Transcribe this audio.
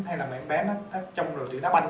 hay là mấy em bé nó trông rồi tựa đá banh